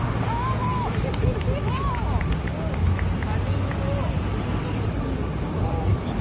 他人を想像することができる。